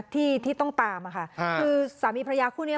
ที่ที่ต้องตามค่ะคือสามีพระยาคู่นี้